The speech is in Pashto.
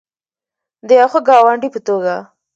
د یو ښه ګاونډي په توګه.